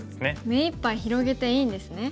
目いっぱい広げていいんですね。